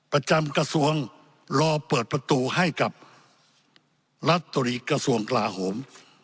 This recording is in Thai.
ประจำกระทรวงรอเปิดประตูให้กับรัฐมนตรีกระทรวงกลาโหม